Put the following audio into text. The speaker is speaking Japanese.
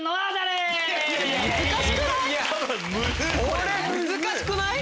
これ難しくない？